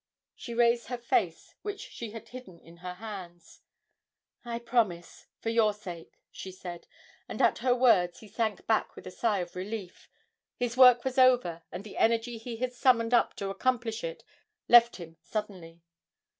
She raised her face, which she had hidden in her hands. 'I promise for your sake,' she said, and at her words he sank back with a sigh of relief his work was over, and the energy he had summoned up to accomplish it left him suddenly.